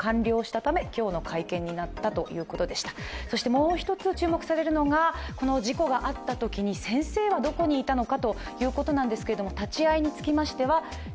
もう一つ注目されるのはこの事故があったとき先生はどこにいたのか。